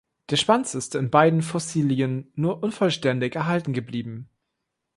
Der Schwanz ist in beiden Fossilien nur unvollständig erhalten geblieben.